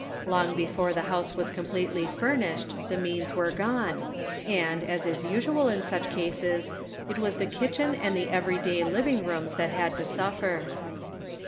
Long before the house was completely furnished the means were gone, and, as is usual in such cases, it was the kitchen and the every day living rooms that had to suffer.